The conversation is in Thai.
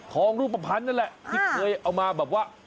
รูปภัณฑ์นั่นแหละที่เคยเอามาแบบว่า